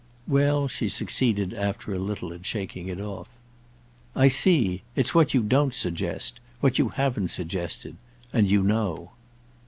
Well, she succeeded after a little in shaking it off. "I see. It's what you don't suggest—what you haven't suggested. And you know."